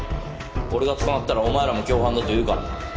俺が捕まったらお前らも共犯だと言うからな